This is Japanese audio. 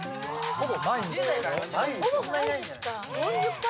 ほぼ毎日か。